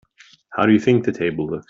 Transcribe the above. How do you think the table looks?